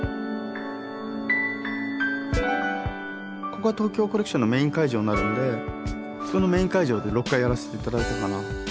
ここは東京コレクションのメイン会場になるんでこのメイン会場で６回やらせていただいたかな